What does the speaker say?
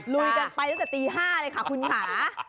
ลุยกันไปตั้งแต่ตี๕เลยค่ะคุณค่ะ